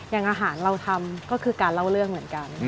อย่างอาหารเราทำก็คือการเล่าเรื่องเหมือนกัน